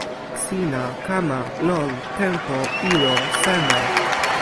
sina kama lon tenpo ilo seme?